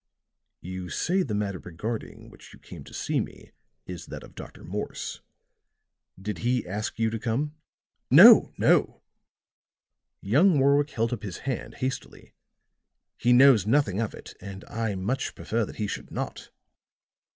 "You say the matter regarding which you came to see me is that of Dr. Morse. Did he ask you to come?" "No, no," young Warwick held up his hand, hastily. "He knows nothing of it; and I much prefer that he should not.